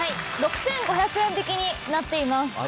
６５００円引きになっています。